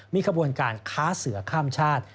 มีขบวนการค้าเสือข้ามชาติ